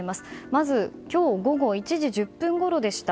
まず今日午後１時１０分ごろでした。